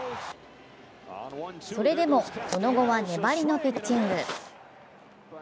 それでも、その後は粘りのピッチング。